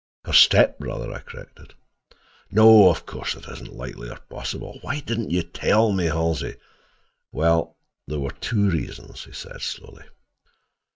"Her stepbrother," I corrected. "No, of course, it isn't likely, or possible. Why didn't you tell me, Halsey?" "Well, there were two reasons," he said slowly.